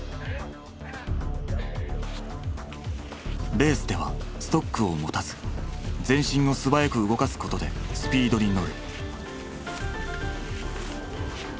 レースではストックを持たず全身を素早く動かすことでスピードに乗る。